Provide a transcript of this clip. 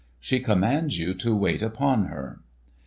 "She commands you to wait upon her."